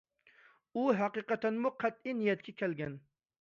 ئۇ ھەقىقەتەنمۇ قەتئىي نىيەتكە كەلگەن.